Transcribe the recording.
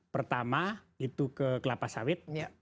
pertama itu ke kelapa sawit